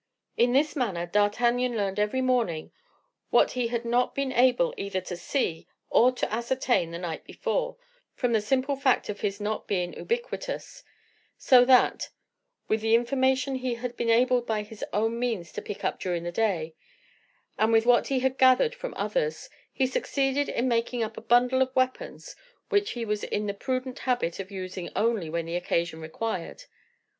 In this manner D'Artagnan learned every morning what he had not been able either to see or to ascertain the night before, from the simple fact of his not being ubiquitous; so that, with the information he had been able by his own means to pick up during the day, and with what he had gathered from others, he succeeded in making up a bundle of weapons, which he was in the prudent habit of using only when occasion required.